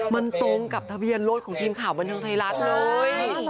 มันตรงกับทะเบียนรถของทีมข่าวบันเทิงไทยรัฐเลย